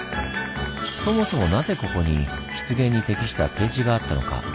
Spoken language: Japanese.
そもそもなぜここに湿原に適した低地があったのか？